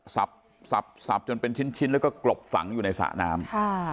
ซับซับซับจนเป็นชิ้นชิ้นแล้วก็กรบฝังอยู่ในสะน้ำค่ะ